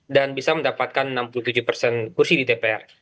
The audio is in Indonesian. dan bisa mendapatkan enam puluh tujuh kursi di dpr